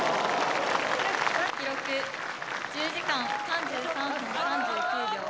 記録、１０時間３３分３９秒。